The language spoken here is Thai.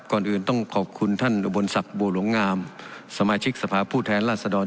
ก่อนอื่นต้องขอบคุณท่านอุบลศักดิ์บัวหลวงงามสมาชิกสภาพผู้แทนราชดร